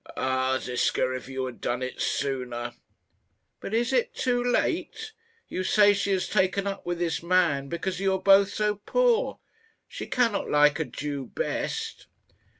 "Ah, Ziska, if you had done it sooner!" "But is it too late? You say she has taken up with this man because you are both so poor. She cannot like a Jew best."